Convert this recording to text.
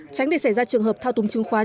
tránh để xảy ra trường hợp thao túng chứng khoán